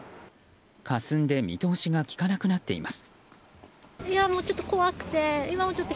かすんで見通しが利かなくなっています。